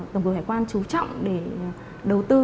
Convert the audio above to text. tổng cửa hải quan chú trọng để đầu tư